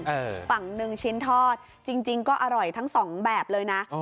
ฝั่งหนึ่งชิ้นทอดจริงก็อร่อยทั้งสองแบบเลยนะ